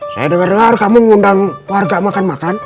saya dengar dengar kamu mengundang warga makan makan